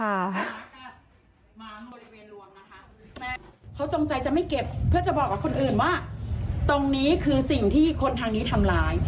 เขาจงใจจะไม่เก็บเพื่อจะบอกกับคนอื่นว่าตรงนี้คือสิ่งที่คนทางนี้ทำร้าย